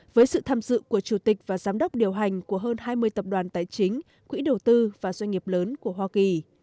với sự tham dự của chủ tịch và giám đốc điều hành của hơn hai mươi tập đoàn tài chính quỹ đầu tư và doanh nghiệp lớn của hoa kỳ